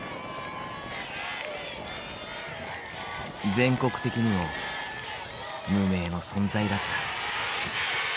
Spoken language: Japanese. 全国的にも無名の存在だった。